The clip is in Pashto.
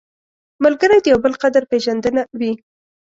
ملګری د یو بل قدر پېژندنه وي